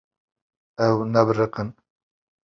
Ew nabiriqin.